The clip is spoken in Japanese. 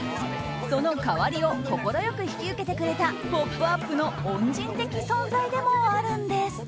その代わりを快く引き受けてくれた「ポップＵＰ！」の恩人的存在でもあるんです。